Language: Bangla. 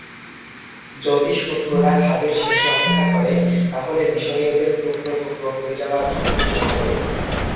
যদি শত্রুরা খাদের শেষে অপেক্ষা করে, তাহলে মিশরীয়দের টুকরো টুকরো হয়ে যাওয়ার ঝুঁকি নিতে হবে।